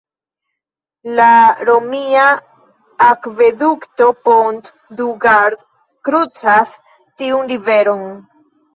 La romia akvedukto "Pont du Gard" krucas tiun riveron.